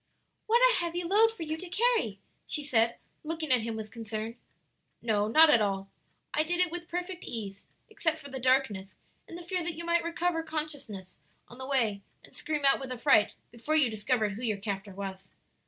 "What a heavy load for you to carry!" she said, looking at him with concern. "No, not at all; I did it with perfect ease, except for the darkness and the fear that you might recover consciousness on the way and scream out with affright before you discovered who your captor was."